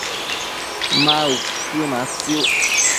ma uquëmatsiuc?